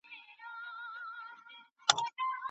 حقوقو پوهنځۍ بې هدفه نه تعقیبیږي.